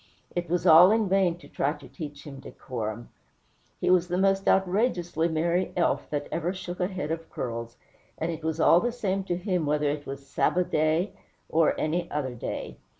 It was all in vain to try to teach him decorum. He was the most outrageously merry elf that ever shook a head of curls, and it was all the same to him whether it was "Sabba' day" or any other day.